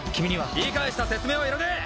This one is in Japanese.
理解した説明はいらねえ！